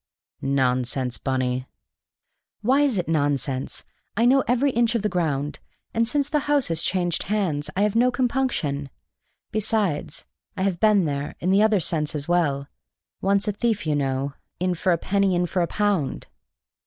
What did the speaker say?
"Nonsense, Bunny!" "Why is it nonsense? I know every inch of the ground, and since the house has changed hands I have no compunction. Besides, 'I have been there' in the other sense as well: once a thief, you know! In for a penny, in for a pound!"